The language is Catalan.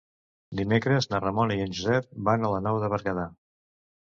Dimecres na Ramona i en Josep van a la Nou de Berguedà.